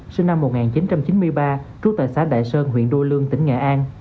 sinh năm một nghìn chín trăm chín mươi ba trú tại xã đại sơn huyện đô lương tỉnh nghệ an